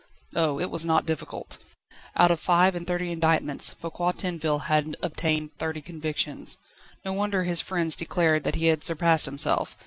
Oh! it was not difficult! Out of five and thirty indictments, Foucquier Tinville had obtained thirty convictions. No wonder his friends declared that he had surpassed himself.